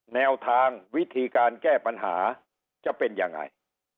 แนวทางวิธีการแก้ปัญหาจะเป็นยังไง